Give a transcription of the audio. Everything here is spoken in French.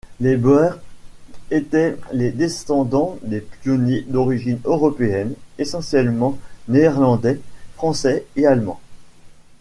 Les Boers étaient les descendants des pionniers d'origine européenne, essentiellement néerlandais, français et allemands.